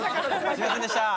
すいませんでした。